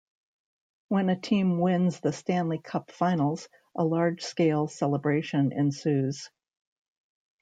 When a team wins the Stanley Cup Finals, a large-scale celebration ensues.